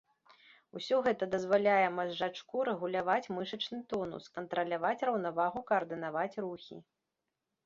Усё гэта дазваляе мазжачку рэгуляваць мышачны тонус, кантраляваць раўнавагу, каардынаваць рухі.